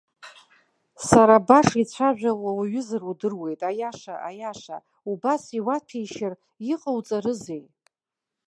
Сара баша ицәажәауа уаҩызар удыруеит, аиаша, аиаша, убас иуаҭәеишьар иҟауҵарызеи?